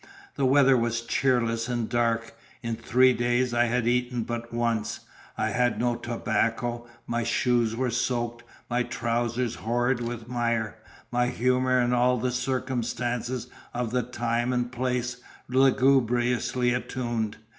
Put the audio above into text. The weather was cheerless and dark; in three days I had eaten but once; I had no tobacco; my shoes were soaked, my trousers horrid with mire; my humour and all the circumstances of the time and place lugubriously attuned.